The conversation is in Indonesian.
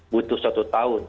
butuh satu tahun